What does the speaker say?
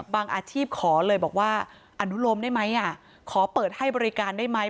อาชีพขอเลยบอกว่าอนุโลมได้ไหมขอเปิดให้บริการได้ไหม